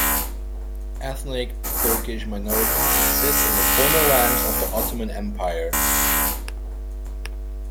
Ethnic Turkish minorities exist in the former lands of the Ottoman Empire.